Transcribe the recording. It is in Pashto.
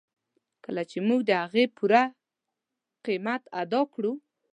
کله چې موږ د هغې پوره قیمت ادا کړو.